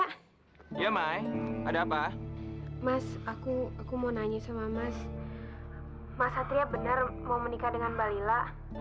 hai mai ada apa mas aku aku mau nanya sama mas mas satria bener mau menikah dengan balila